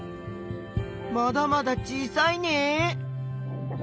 まだまだ小さいね。